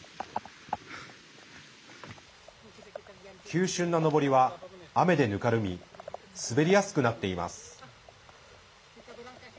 急しゅんな上りは雨でぬかるみ滑りやすくなっています。